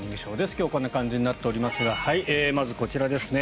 今日はこんな感じになっておりますがまずこちらですね。